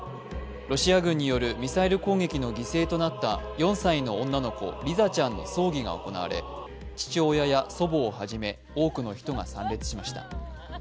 ロシア軍によるミサイル攻撃の犠牲となった４歳の女の子・リザちゃんの葬儀が行われ父親や祖母をはじめ、多くの人が参列しました。